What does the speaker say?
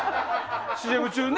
ＣＭ中に。